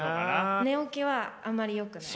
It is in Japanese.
寝起きはあまりよくない。